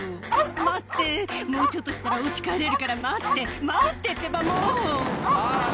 「待ってもうちょっとしたら家帰れるから待って待ってってばもう！」